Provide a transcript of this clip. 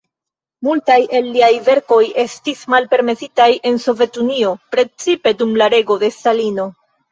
Multaj el liaj verkoj estis malpermesitaj en Sovetunio, precipe dum la rego de Stalino.